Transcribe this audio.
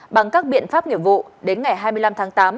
bằng các biện pháp nghiệp vụ đến ngày hai mươi năm tháng tám